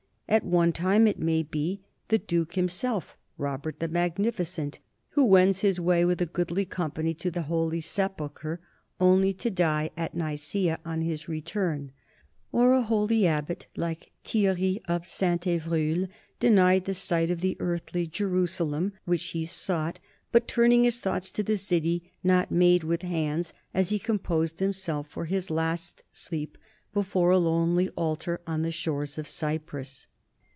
At one time it may be the duke himself, Robert the Magnificent, who wends his way with a goodly company to the Holy Sepulchre, only to die at Nicaea on his return; or a holy abbot, like Thierry of Saint fivroul, denied the sight of the earthly Jerusalem which he sought, but turning his thoughts to the city not made with hands as he com posed himself for his last sleep before a lonely altar on the shores of Cyprus.